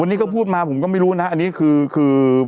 วันนี้ก็พูดมาผมก็ไม่รู้นะอันนี้คือ